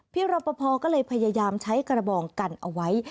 พี่รอปภก็เลยพยายามใช้กระบองกันเอาไว้